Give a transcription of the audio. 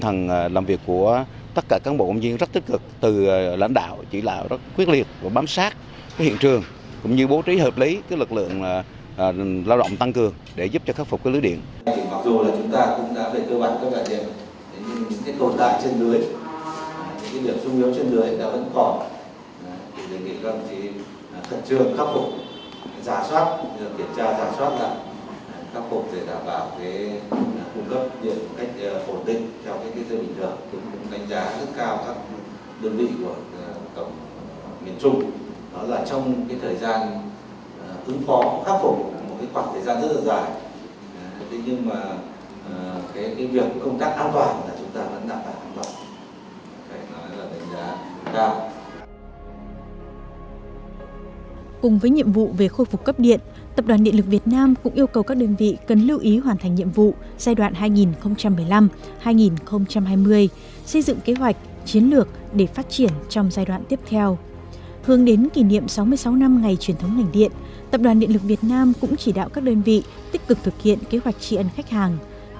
hương đến kỷ niệm sáu mươi sáu năm ngày truyền thống ngành điện tập đoàn điện lực việt nam cũng chỉ đạo các đơn vị tích cực thực hiện kế hoạch tri ân khách hàng